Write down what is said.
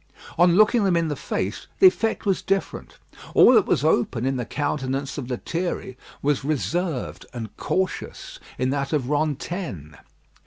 On looking them in the face the effect was different: all that was open in the countenance of Lethierry was reserved and cautious in that of Rantaine.